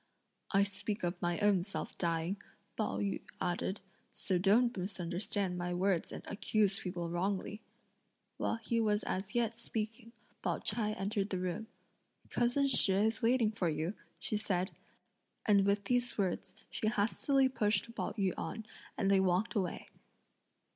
"I speak of my own self dying," Pao yü added, "so don't misunderstand my words and accuse people wrongly." While he was as yet speaking, Pao ch'ai entered the room: "Cousin Shih is waiting for you;" she said; and with these words, she hastily pushed Pao yü on, and they walked away.